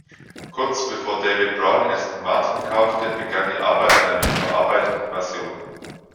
Kurz bevor David Brown Aston Martin kaufte, begann die Arbeit an einer überarbeiteten Version.